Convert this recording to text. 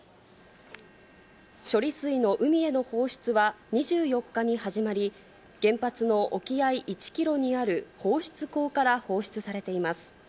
処理水の海への放出は２４日に始まり、原発の沖合１キロにある放出口から放出されています。